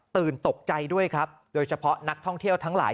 ตกใจด้วยครับโดยเฉพาะนักท่องเที่ยวทั้งหลาย